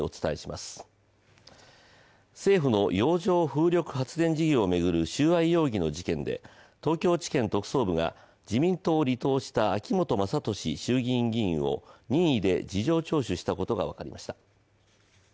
政府の洋上風力発電事業を巡る収賄容疑の事件で東京地検特捜部が自民党を離党した秋本真利衆議院議員を任意で事情聴取したことが分かりました。